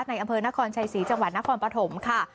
อำเภอนครชัยศรีจังหวัดนครปฐมค่ะ